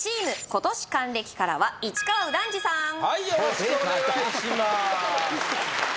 今年還暦からは市川右團次さんはいよろしくお願いしまーすまた？